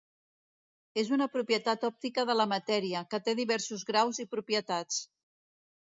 És una propietat òptica de la matèria, que té diversos graus i propietats.